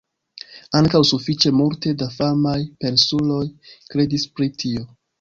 Ankaŭ sufiĉe multe da famaj pensuloj kredis pri tio.